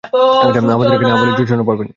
আমাদের এখানে আপেলের জুসও পাবেন।